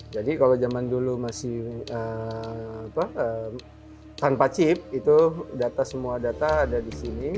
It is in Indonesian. jadi kalau zaman dulu masih tanpa chip itu data semua data ada di sini